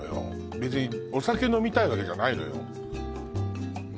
別にお酒飲みたいわけじゃないのよ